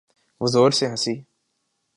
وہ زور سے ہنسی۔